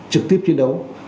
trực tiếp chiến đấu